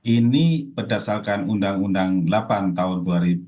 ini berdasarkan undang undang delapan tahun dua ribu dua